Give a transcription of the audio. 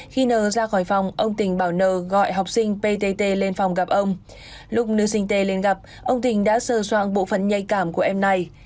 khi n ra khỏi phòng ông tình bảo n gọi học sinh ptt lên phòng gặp ông lúc nữ sinh t lên gặp ông tình đã sờ soạn bộ phận nhạy cảm của em này